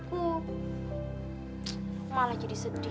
tapi kamu tuh jangan bohong dong raka itu kan gak cinta sama aku